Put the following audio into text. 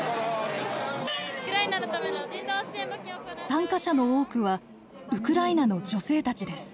参加者の多くはウクライナの女性たちです。